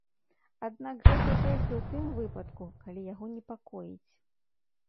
Аднак гэта толькі ў тым выпадку, калі яго непакоіць.